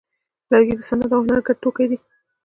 لرګی د صنعت او هنر ګډ توکی دی.